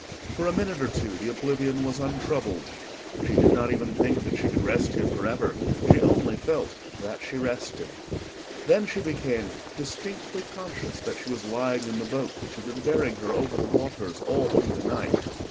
For a minute or two the oblivion was untroubled; she did not even think that she could rest here for ever, she only felt that she rested. Then she became distinctly conscious that she was lying in the boat which had been bearing her over the waters all through the night.